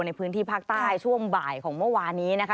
ในพื้นที่ภาคใต้ช่วงบ่ายของเมื่อวานนี้นะคะ